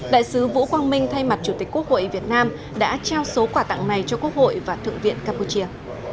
đại sứ vũ quang minh thay mặt chủ tịch quốc hội việt nam đã trao số quà tặng này cho quốc hội và thượng viện campuchia